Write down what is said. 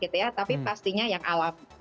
tapi pastinya yang alam